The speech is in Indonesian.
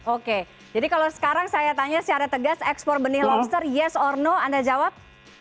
oke jadi kalau sekarang saya tanya secara tegas ekspor benih lobster yes or no anda jawab